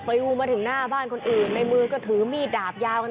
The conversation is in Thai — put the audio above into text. ลิวมาถึงหน้าบ้านคนอื่นในมือก็ถือมีดดาบยาวกัน